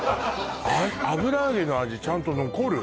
油揚げの味ちゃんと残る？